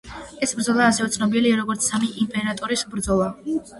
ეს ბრძოლა, ასევე, ცნობილია, როგორც სამი იმპერატორის ბრძოლა.